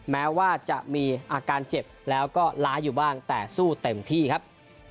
แม้ว่าจะมีอาการเจ็บแล้วก็ล้าอยู่บ้างแต่สู้เต็มที่ครับ